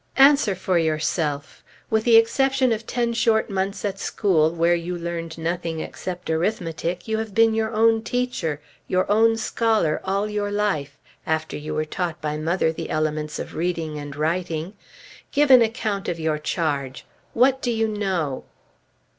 "Answer for yourself. With the exception of ten short months at school, where you learned nothing except arithmetic, you have been your own teacher, your own scholar, all your life, after you were taught by mother the elements of reading and writing. Give an account of your charge. What do you know?"